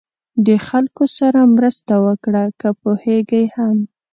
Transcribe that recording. د خلکو سره مرسته وکړه که پوهېږئ هم.